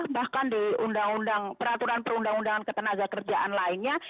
bahkan di peraturan perundang undangan ketenaga kerjaan lainnya